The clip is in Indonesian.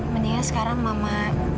mendingan sekarang mama